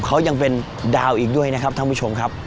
เขายังเป็นดาวอีกด้วยนะครับท่านผู้ชมครับ